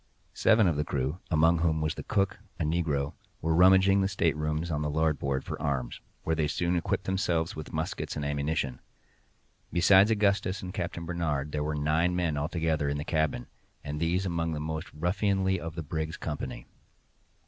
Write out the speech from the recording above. Seven of the crew (among whom was the cook, a negro) were rummaging the staterooms on the larboard for arms, where they soon equipped themselves with muskets and ammunition. Besides Augustus and Captain Barnard, there were nine men altogether in the cabin, and these among the most ruffianly of the brig's company.